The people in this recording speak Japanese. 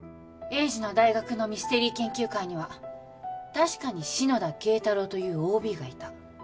栄治の大学のミステリー研究会には確かに篠田敬太郎というＯＢがいた。